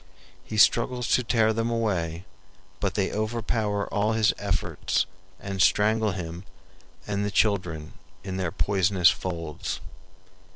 He struggles to tear them away, but they overpower all his efforts and strangle him and the children in their poisonous folds.